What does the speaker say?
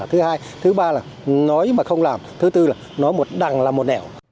thứ hai thứ ba là nói mà không làm thứ tư là nói một đằng là một nẻo